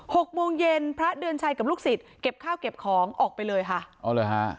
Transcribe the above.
หกโมงเย็นพระเดือนชัยกับลูกศิษย์เก็บข้าวเก็บของออกไปเลยค่ะอ๋อเหรอฮะ